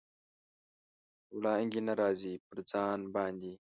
وړانګې نه راځي، پر ځان باندې